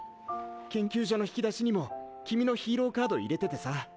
研究所の引き出しにも君のヒーローカード入れててさ